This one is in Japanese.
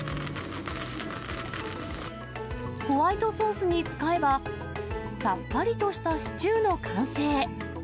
ホワイトソースに使えば、さっぱりとしたシチューの完成。